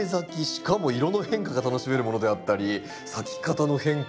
しかも色の変化が楽しめるものであったり咲き方の変化もあったり。